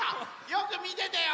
よくみててよ！